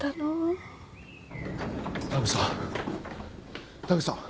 田口さん田口さん！